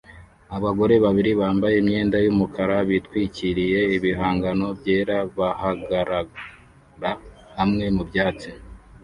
Abagore babiri bambaye imyenda yumukara bitwikiriye ibihangano byera bahagarara hamwe mubyatsi